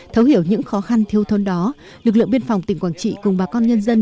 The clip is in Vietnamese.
thấu hiểu những khó khăn thiêu thôn đó lực lượng biên phòng tỉnh quảng trị cùng bà con nhân dân